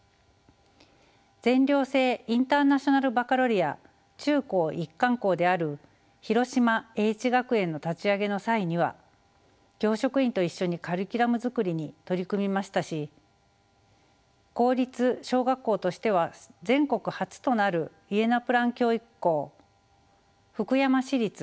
全寮制インターナショナルバカロレア中高一貫校である広島叡智学園の立ち上げの際には教職員と一緒にカリキュラム作りに取り組みましたし公立小学校としては全国初となるイエナプラン教育校福山市立